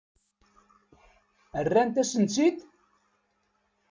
Rrant-asent-tt-id?